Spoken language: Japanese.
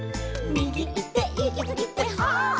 「みぎいっていきすぎて」